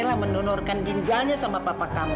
kamilah yang menonorkan ginjalnya sama papa kamu